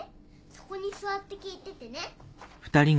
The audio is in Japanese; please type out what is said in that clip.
そこに座って聞いててね。